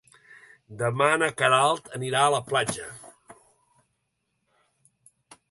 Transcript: Demà na Queralt anirà a la platja.